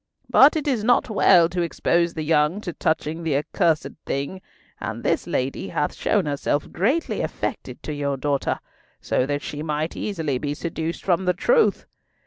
But it is not well to expose the young to touching the accursed thing, and this lady hath shown herself greatly affected to your daughter, so that she might easily be seduced from the truth.